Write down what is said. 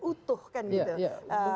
utuh kan gitu